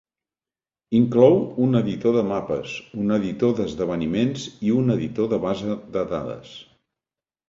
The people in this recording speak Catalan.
Inclou un editor de mapes, un editor d'esdeveniments i un editor de base de dades.